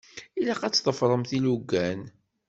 Ilaq ad tḍefṛemt ilugan.